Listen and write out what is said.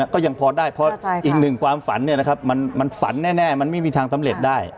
ก็ยังพอได้เพราะอีกหนึ่งความฝันมันฝันแน่มันไม่มีทางสำเร็จได้